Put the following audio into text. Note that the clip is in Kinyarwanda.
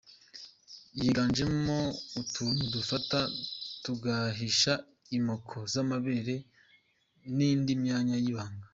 Yiganjemo utuntu dufata tugahisha imoko z’amabere n’indi myanya y’ibanga.